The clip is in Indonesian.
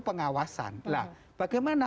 pengawasan nah bagaimana